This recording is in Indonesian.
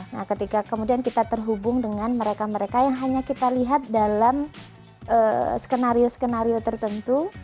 nah ketika kemudian kita terhubung dengan mereka mereka yang hanya kita lihat dalam skenario skenario tertentu